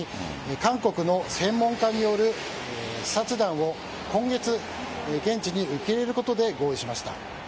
韓国の専門家による視察団を今月、現地に受け入れることで合意しました。